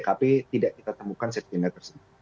tapi tidak kita temukan safety net tersebut